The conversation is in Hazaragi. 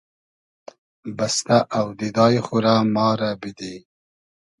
بئستۂ اۆدیدای خو رۂ ما رۂ بیدی